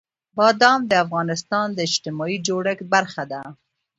بادام د افغانستان د اجتماعي جوړښت برخه ده.